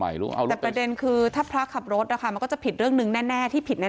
แต่ประเด็นคือถ้าพระขับรถนะคะมันก็จะผิดเรื่องหนึ่งแน่ที่ผิดแน่